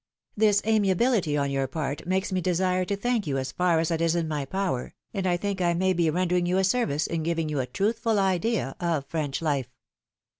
This amiability on 14 authok's preface. your part makes me desire to thank you as far as is in my power, and I think I may be rendering you a service in giving you a truthful idea of French life.